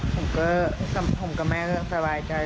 ผมก็ผมกับแม่ก็สบายใจ